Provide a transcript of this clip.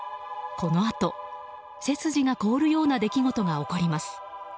このあと、背筋が凍るような出来事が起こります。